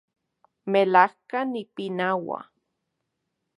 Melajka nipinaua